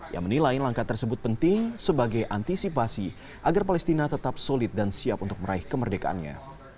yang menilai langkah tersebut penting sebagai antisipasi agar palestina tetap solid dan siap untuk meraih kemerdekaannya